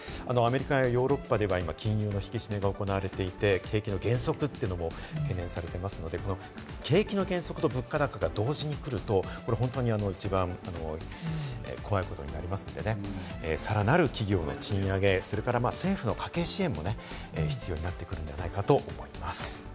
アメリカやヨーロッパでは金融の引き締めが行われていて、景気の減速も懸念されていますので、景気の減速と物価高が同時に来ると本当に一番怖いことになりますので、さらなる企業の賃上げ、それから政府の家計支援も必要になってくるのではないかと思います。